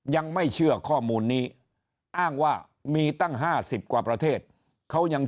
ยังไม่เชื่อข้อมูลนี้อ้างว่ามีตั้ง๕๐กว่าประเทศเขายัง